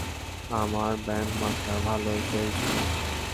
আমার bandmaster ভালোই চলছিলো।